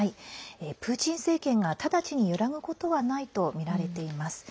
プーチン政権が直ちに揺らぐことはないものとみられています。